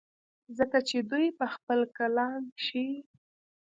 ځکه چې دوي پۀ خپل کلام کښې